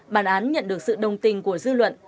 bản án nhận được sự đồng tình của dư luận